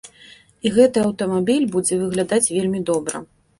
І гэты аўтамабіль будзе выглядаць вельмі добра.